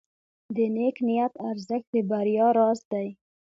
د نیک نیت ارزښت د بریا راز دی.